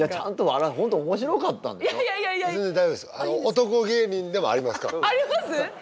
男芸人でもありますから。